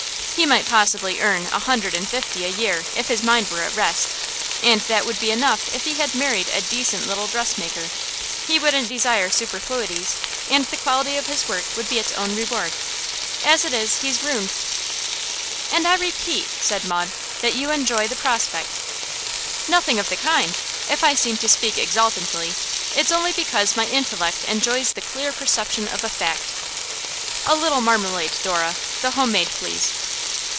He might possibly earn a hundred and fifty a year if his mind were at rest, and that would be enough if he had married a decent little dressmaker. He wouldn't desire superfluities, and the quality of his work would be its own reward. As it is, he's ruined.' 'And I repeat,' said Maud, 'that you enjoy the prospect.' 'Nothing of the kind. If I seem to speak exultantly it's only because my intellect enjoys the clear perception of a fact. A little marmalade, Dora; the home made, please.